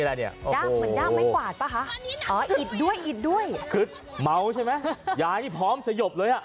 ยากไม่กวาดปะฮะอ๋ออิดด้วยอิดด้วยเป็จเมาใช่มั้ยยายนี้พร้อมสยบเลยอ่ะ